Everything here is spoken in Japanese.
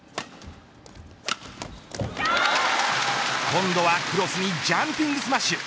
今度はクロスにジャンピングスマッシュ。